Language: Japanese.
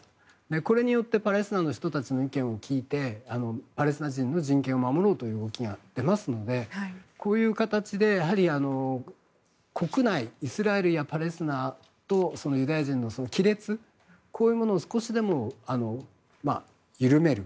これによってパレスチナの人たちの意見を聞いてパレスチナ人の人権を守ろうという動きが出ますのでこういう形で国内イスラエルやパレスチナとユダヤ人の亀裂こういうものを少しでも緩める。